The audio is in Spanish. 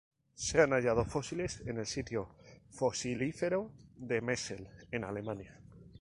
Se han hallado fósiles en el sitio fosilífero de Messel, en Alemania.